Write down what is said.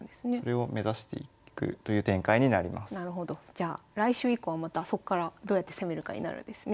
じゃあ来週以降はまたそっからどうやって攻めるかになるんですね。